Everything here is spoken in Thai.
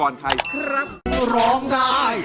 ร้องได้